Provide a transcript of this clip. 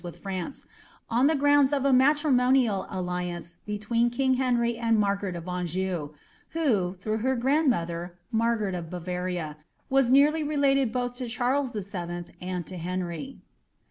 131 with France^ on the grounds of a matrimonial alliance between king Henry and Margaret of Anjou, who, through her grandmother, Margaret of Bavaria, was nearly related both to Charles VII. and to Henry.